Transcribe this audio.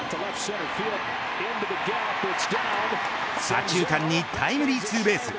左中間にタイムリーツーベース。